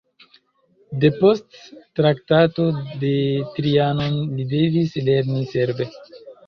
Depost Traktato de Trianon li devis lerni serbe.